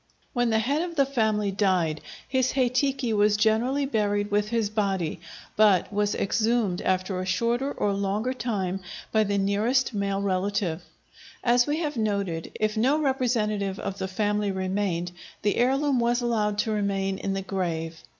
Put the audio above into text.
When the head of the family died, his hei tiki was generally buried with his body, but was exhumed after a shorter or longer time by the nearest male relative. As we have noted, if no representative of the family remained, the heirloom was allowed to remain in the grave.